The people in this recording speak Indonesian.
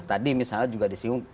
tadi misalnya juga disiung